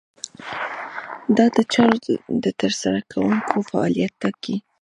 دا د چارو د ترسره کوونکو فعالیت ټاکي.